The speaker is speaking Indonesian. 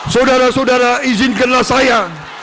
saudara saudara izinkanlah saya